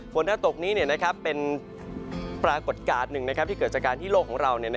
ถ้าตกนี้เป็นปรากฏการณ์หนึ่งที่เกิดจากการที่โลกของเรา